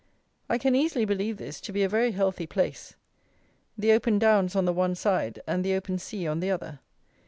I can easily believe this to be a very healthy place: the open downs on the one side and the open sea on the other.